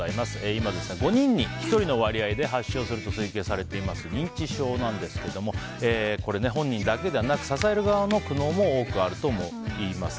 今、５人に１人の割合で発症すると推計されている認知症なんですが本人だけではなく支える側の苦悩も多くあるといいます。